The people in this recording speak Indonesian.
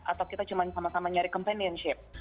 atau kita cuma sama sama nyari companionship